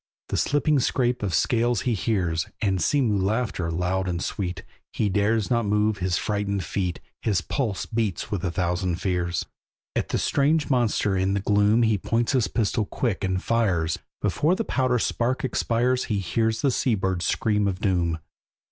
The slipping scrape of scales he hears, And sea mew laughter, loud and sweet; He dares not move his frightened feet, His pulse beats with a thousand fears. At that strange monster in the gloom He points his pistol quick, and fires; Before the powder spark expires He hears a sea bird's scream of doom.